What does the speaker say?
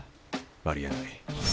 ありえない。